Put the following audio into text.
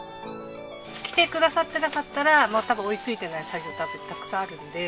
来てくださってなかったら多分追いついてない作業たくさんあるんで。